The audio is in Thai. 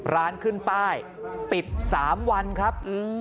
ร้านขึ้นป้ายปิด๓วันครับ